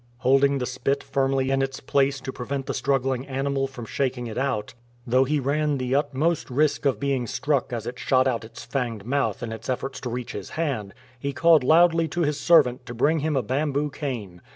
Holding the spit firmly in its place to pre vent the struggling animal from shaking it out, though he ran the utmost risk of being struck as it shot out its fanged mouth in its efforts to reach his hand, he called loudly to his servant to bring him a bamboo cane.